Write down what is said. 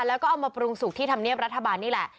แล้วก็เอามาปรุงสุกที่ธรรมเนียบรัฐบาลนี่แหละ